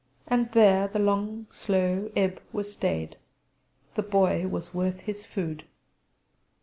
And there the long slow ebb was stayed: the Boy was worth his food.